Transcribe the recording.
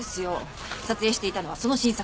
撮影していたのはその新作。